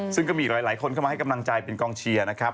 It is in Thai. ซึ่งก็มีหลายคนเข้ามาให้กำลังใจเป็นกองเชียร์นะครับ